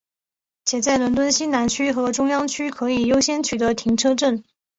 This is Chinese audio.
且在伦敦西南区和中央区可以优先取得停车证。